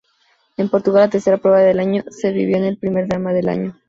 En Portugal, la tercera prueba del año, se vivió el primer drama del año.